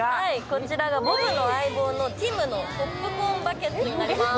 こちら、ボブの相棒のティムのポップコーンバケツになります。